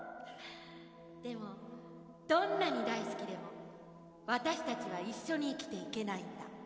でもどんなに大好きでも私たちは一緒に生きていけないんだ。